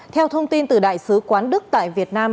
theo thông tin từ đại sứ quán đức tại việt nam